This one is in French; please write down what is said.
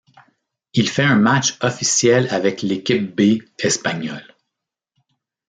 Il fait un match officiel avec l'équipe B espagnole.